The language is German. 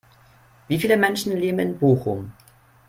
Wie viele Menschen leben in Bochum?